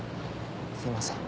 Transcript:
すいません。